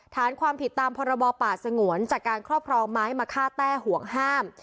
ฐานความผิดตามพรบป่าสงวนจากการครอบครองไม้มาฆ่าแต้ห่วงห้าม